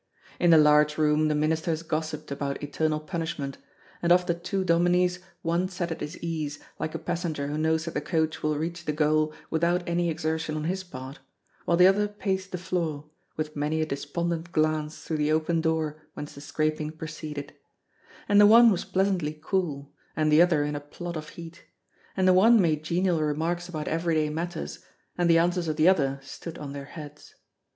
In the large room the ministers gossiped about eternal punishment, and of the two dominies one sat at his ease, like a passenger who knows that the coach will reach the goal without any exertion on his part, while the other paced the floor, with many a despondent glance through the open door whence the scraping proceeded; and the one was pleasantly cool; and the other in a plot of heat; and the one made genial remarks about every day matters, and the answers of the other stood on their heads.